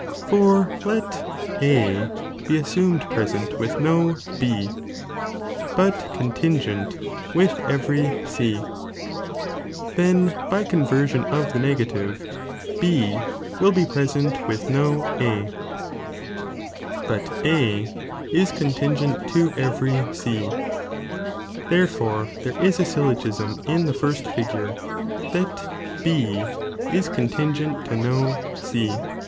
For let A be assumed present with no B, hut contingent with every C, then by conversion of the negative, B will be present widi no A, but A is contingent to every C, therefore there is a syllogism in the first figure, that B is contingent to no C.